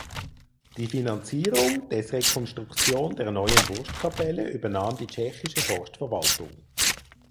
Die Finanzierung des Rekonstruktion der neuen Wurstkapelle übernahm die tschechische Forstverwaltung.